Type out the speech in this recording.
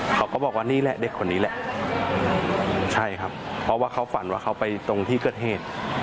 เขาก็บอกว่านี่แหละเด็กคนนี้แหละใช่ครับเพราะว่าเขาฝันว่าเขาไปตรงที่เกิดเหตุ